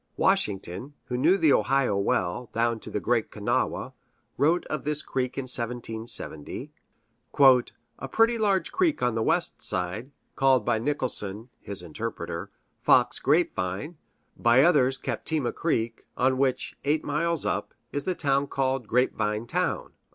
Washington, who knew the Ohio well, down to the Great Kanawha, wrote of this creek in 1770: "A pretty large creek on the west side, called by Nicholson [his interpreter] Fox Grape Vine, by others Captema creek, on which, eight miles up, is the town called Grape Vine Town."